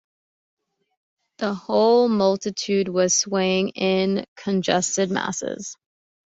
The whole multitude was swaying in congested masses.